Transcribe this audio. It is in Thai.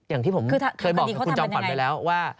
อย่างที่ผมเคยบอกกับคุณจอมขวัญไปแล้วว่า